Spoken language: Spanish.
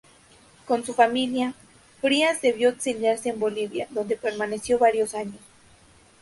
Con su familia, Frías debió exiliarse en Bolivia, donde permaneció varios años.